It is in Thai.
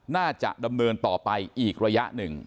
ดำเนินต่อไปอีกระยะหนึ่ง